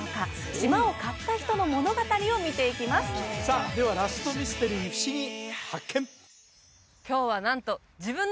島を買った人の物語を見ていきますさあではラストミステリーふしぎ発見！